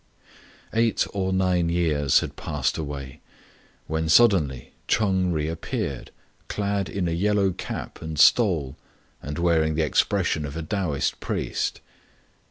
Eight or nine years had passed away when suddenly Ch'eng re appeared, clad in a yellow cap and stole, and wearing the expression of a Taoist priest.